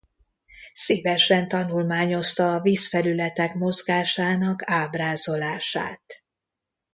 Szívesen tanulmányozta a vízfelületek mozgásának ábrázolását.